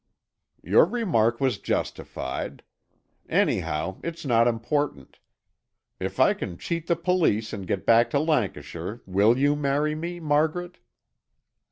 "Your remark was justified. Anyhow, it's not important. If I can cheat the police and get back to Lancashire, will you marry me, Margaret?"